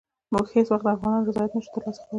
موږ هېڅ وخت د افغانانو رضایت نه شو ترلاسه کولای.